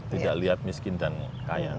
tidak lihat miskin dan kaya